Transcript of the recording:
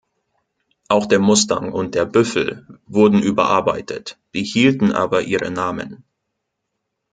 Auch der Mustang und der Büffel wurden überarbeitet, behielten aber ihre Namen.